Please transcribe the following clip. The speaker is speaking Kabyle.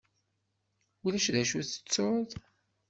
Ulac d acu tettuḍ?